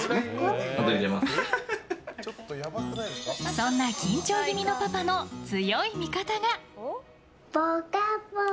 そんな緊張気味のパパの強い味方が。